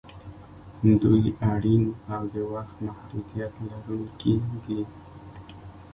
دوی اړین او د وخت محدودیت لرونکي دي.